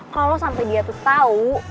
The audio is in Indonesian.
kalo sampe dia tuh tau